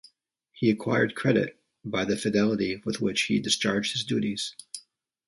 He acquired credit by the fidelity with which he discharged his duties.